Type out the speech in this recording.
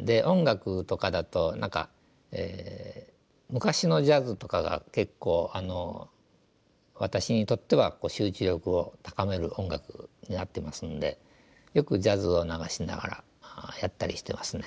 で音楽とかだと何か昔のジャズとかが結構私にとっては集中力を高める音楽になってますんでよくジャズを流しながらやったりしてますね。